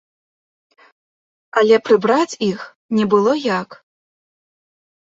Але прыбраць іх не было як.